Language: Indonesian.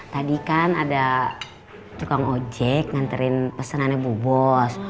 tadi kan ada tukang ojek nganterin pesanannya bu bos